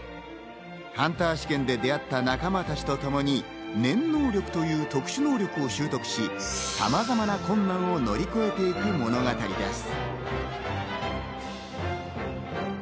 ハンター試験で出会った仲間たちとともに念能力という特殊能力を習得し、さまざまな困難を乗り越えていく物語です。